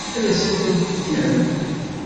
Ad asen-ten-tefkem?